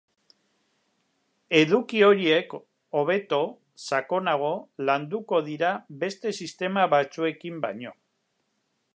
Eduki horiek hobeto, sakonago, landuko dira beste sistema batzuekin baino.